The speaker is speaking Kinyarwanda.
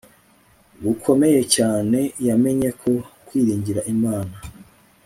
gukomeye cyane yamenye ko kwiringira Imana